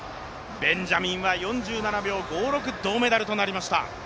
ベンジャミンは４７秒５６、銅メダルとなりました。